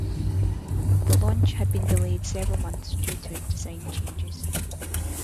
The launch had been delayed several months due to design changes.